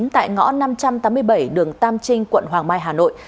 tại ngõ năm trăm tám mươi bảy đường tam trinh quận hoàng mai hà nội